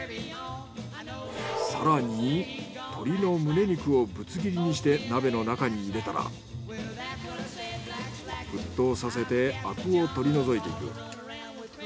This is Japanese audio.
更に鶏のムネ肉をぶつ切りにして鍋の中に入れたら沸騰させてアクを取り除いていく。